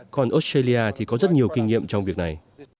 còn australia thì có rất nhiều kinh nghiệm trong việc này